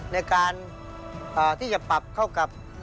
ในการที่จะปรับเข้ากับ